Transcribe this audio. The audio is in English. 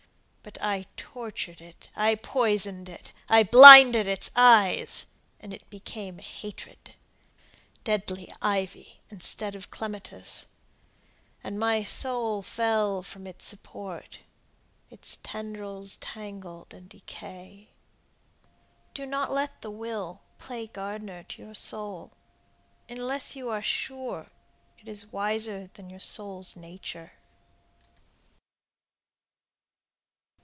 But I tortured it, I poisoned it I blinded its eyes, and it became hatred— Deadly ivy instead of clematis. And my soul fell from its support Its tendrils tangled in decay. Do not let the will play gardener to your soul Unless you are sure It is wiser than your soul's nature.